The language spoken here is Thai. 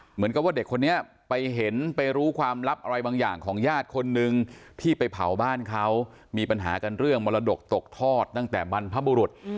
เหมือนกับว่าเด็กคนนี้ไปเห็นไปรู้ความลับอะไรบางอย่างของญาติคนนึงที่ไปเผาบ้านเขามีปัญหากันเรื่องมรดกตกทอดตั้งแต่บรรพบุรุษ